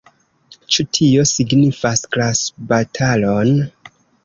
Ĉu tio signifas klasbatalon?